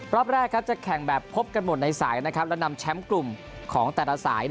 รอบแรกจะแข่งแบบพบกันหมดในสายและนำแชมป์กลุ่มของแต่ละสาย